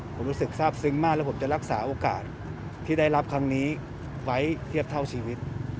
ผมรู้สึกทราบซึ้งมากแล้วผมจะรักษาโอกาสที่ได้รับครั้งนี้ไว้เทียบเท่าชีวิต